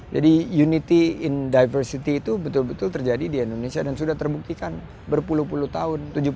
jadi unity in diversity itu betul betul terjadi di indonesia dan sudah terbukti kan berpuluh puluh tahun